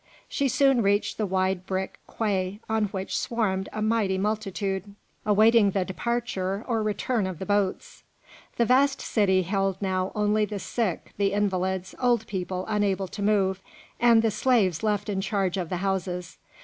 She soon reached the wide brick quay, on which swarmed a mighty multitude, awaiting the departure or return of the boats. The vast city held now only the sick, the invalids, old people unable to move, and the slaves left in charge of the houses.